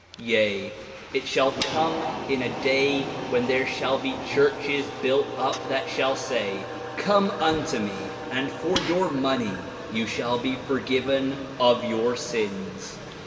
8:32 Yea, it shall come in a day when there shall be churches built up that shall say: Come unto me, and for your money you shall be forgiven of your sins.